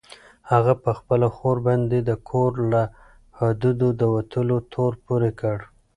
هغه په خپله خور باندې د کور له حدودو د وتلو تور پورې کړ.